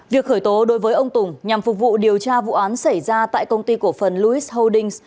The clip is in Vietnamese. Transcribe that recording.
việc khởi tố đối với ông tùng nhằm phục vụ điều tra vụ án xảy ra tại công ty cổ phần louis holdings